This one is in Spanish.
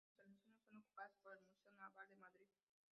Parte de sus instalaciones son ocupadas por el Museo Naval de Madrid.